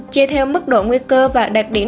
chia theo mức độ nguy cơ và đặc điểm